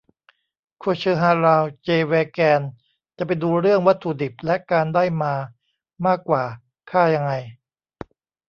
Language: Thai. โคเชอร์ ฮาลาล เจ เวแกน จะไปดูเรื่องวัตถุดิบและการได้มามากกว่า ฆ่ายังไง